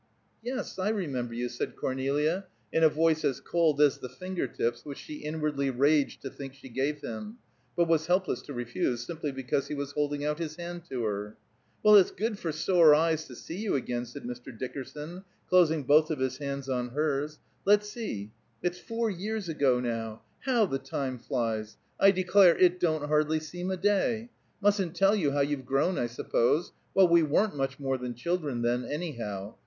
"Yes, I remember you," said Cornelia, in a voice as cold as the finger tips which she inwardly raged to think she gave him, but was helpless to refuse, simply because he was holding out his hand to her. "Well, it's good for sore eyes to see you again," said Mr. Dickerson, closing both of his hands on hers. "Let's see; it's four years ago! How the time flies! I declare, it don't hardly seem a day. Mustn't tell you how you've grown, I suppose? Well, we weren't much more than children, then, anyhow.